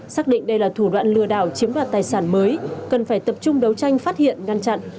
xác định đây là thủ đoạn lừa đảo chiếm đoạt tài sản mới cần phải tập trung đấu tranh phát hiện ngăn chặn